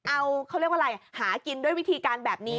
เอาเขาเรียกว่าอะไรหากินด้วยวิธีการแบบนี้